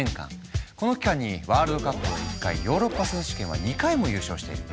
この期間にワールドカップを１回ヨーロッパ選手権は２回も優勝している。